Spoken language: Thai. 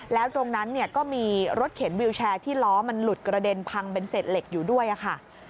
แล้วตรงนั้นเนี่ยก็มีรถเข็นวิวแชร์ที่ล้อมันหลุดกระเด็นพังเป็นเศษเหล็กอยู่ด้วยค่ะ